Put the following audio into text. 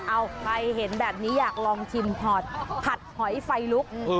เอาใครเห็นแบบนี้อยากลองชิมถอดผัดหอยไฟลุก